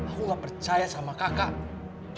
aku gak percaya sama kakak